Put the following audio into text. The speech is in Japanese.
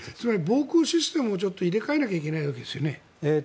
防空システムをちょっと入れ替えなきゃいけないわけですよね。